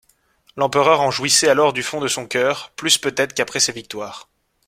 L'empereur en jouissait alors du fond de son cœur, plus peut-être qu'après ses victoires.